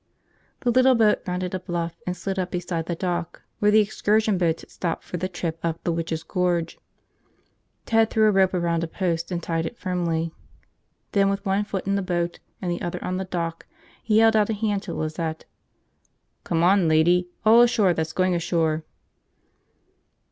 The little boat rounded a bluff and slid up beside the dock where the excursion boats stopped for the trip up the Witches' Gorge. Ted threw a rope around a post and tied it firmly. Then, with one foot in the boat and the other on the dock, he held out a hand to Lizette. "Come on, lady. All ashore that's going ashore."